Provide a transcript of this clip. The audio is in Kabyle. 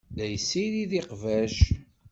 La yessirid iqbac.